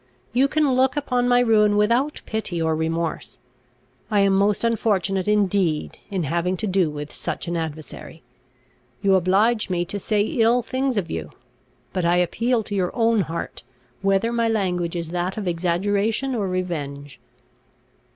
You can look upon my ruin without pity or remorse. I am most unfortunate indeed in having to do with such an adversary. You oblige me to say ill things of you; but I appeal to your own heart, whether my language is that of exaggeration or revenge."